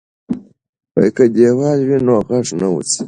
که دیوال وي نو غږ نه وځي.